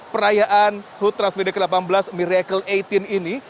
perayaan hut transmedia ke delapan belas miracle delapan belas ini